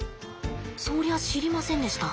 そりゃあ知りませんでした。